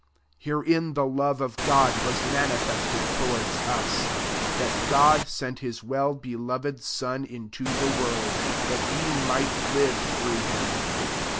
9 Herein the love of God was manifested towards us; that God sent his well beloved Sonf into the world, that we might live through him.